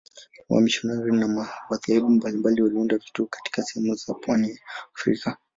Wamisionari wa madhehebu mbalimbali waliunda vituo katika sehemu za pwani ya Afrika.